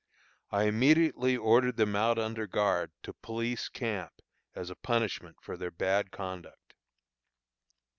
I immediately ordered them out under guard to police camp as a punishment for their bad conduct.